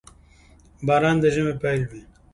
• باران د ژمي پيل وي.